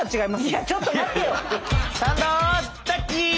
いやちょっと待ってよ。